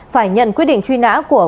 phải nhận quyết định truy nã của